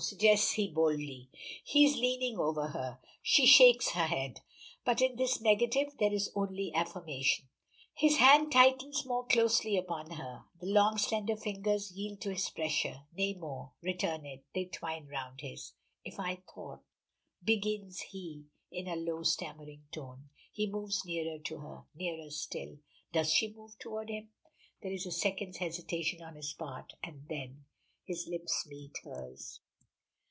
suggests he boldly. He is leaning over her. She shakes her head. But in this negative there is only affirmation. His hand tightens more closely upon hers. The long slender fingers yield to his pressure nay more return it; they twine round his. "If I thought " begins he in a low, stammering tone he moves nearer to her, nearer still. Does she move toward him? There is a second's hesitation on his part, and then, his lips meet hers!